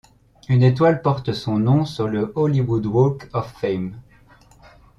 Une étoile porte son nom sur le Hollywood Walk of Fame.